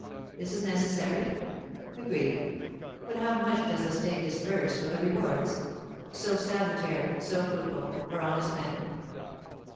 This is necessary? Agreed. But how much does the state disburse for the rewards (so salutary, so fruitful) for honest men?